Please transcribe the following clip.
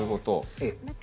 ええ。